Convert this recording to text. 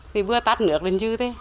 thì vừa tắt nước lên chứ thế